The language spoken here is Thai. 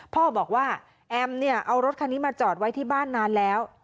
พ่อบอกว่าแอมเนี่ยเอารถคันนี้มาจอดไว้ที่บ้านนานแล้ว